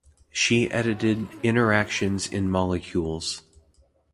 She edited "Interactions in Molecules".